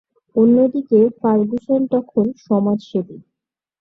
অন্যদিকে ফার্গুসন তখন সমাজসেবী।